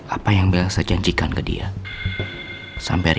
atau main gitar